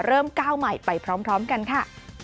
ก้าวใหม่ไปพร้อมกันค่ะ